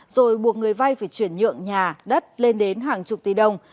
rồi buộc người vay phải chuyển nhượng nhà đất lên đến hàng chục tỷ đồng